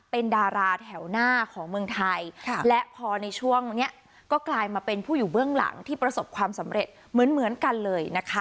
เป็นดาราแถวหน้าของเมืองไทยและพอในช่วงเนี้ยก็กลายมาเป็นผู้อยู่เบื้องหลังที่ประสบความสำเร็จเหมือนเหมือนกันเลยนะคะ